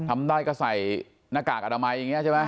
ทำได้ก็ใส่หน้ากากอนามัยอย่างนี้ใช่ไหม